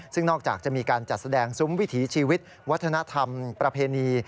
ซึ่งนอกจากจะมีการจัดแสดงซุ้มวิถีชีวิตวัฒนธรรมประเพณี